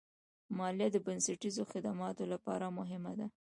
مالیه د بنسټیزو خدماتو لپاره مهمه ده.